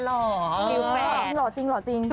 หล่อจริง